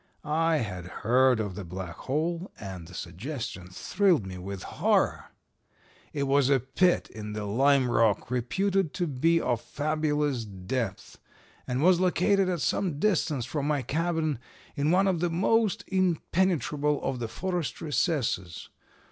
"I had heard of the Black Hole, and the suggestion thrilled me with horror. It was a pit in the lime rock reputed to be of fabulous depth and was located at some distance from my cabin in one of the most impenetrable of the forest recesses.